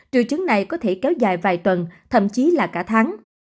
trừ chứng này có thể kéo dài vài tuần thậm chí là cả tháng